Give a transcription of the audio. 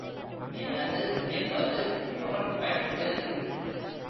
எனது என்பது புறப்பற்று.